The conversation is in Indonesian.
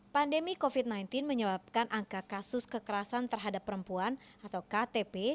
pandemi covid sembilan belas menyebabkan angka kasus kekerasan terhadap perempuan atau ktp